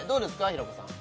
平子さん